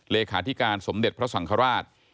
เลขาธิการสมเด็จพระสังฆราช